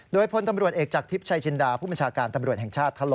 โดยพลตำรวจเอกจากทิพย์ชัยจินดาผู้บัญชาการตำรวจแห่งชาติ